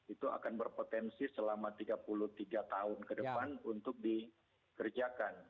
itu akan berpotensi selama tiga puluh tiga tahun ke depan untuk dikerjakan